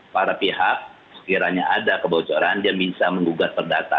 para pihak sekiranya ada kebocoran dia bisa menggugat perdata